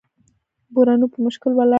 برونو په مشکل ولاړ شو.